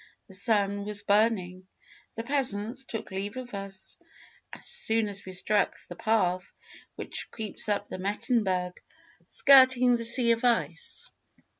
The sun was burning. The peasants took leave of us as soon as we struck the path which creeps up the Mettenberg, skirting the 'sea of ice.'